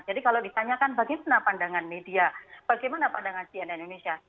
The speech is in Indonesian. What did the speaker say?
jadi kalau ditanyakan bagaimana pandangan media bagaimana pandangan cnn indonesia